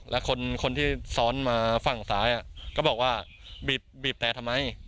แล้วคนที่ซ้อนมาฝั่งซ้ายก็บอกว่าบีบแต่ทำไม